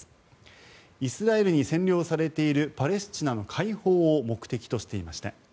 イスラエルに占領されているパレスチナの解放を目的としていました。